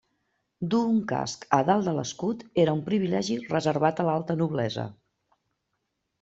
Dur un casc a dalt de l'escut era un privilegi reservat a l'alta noblesa.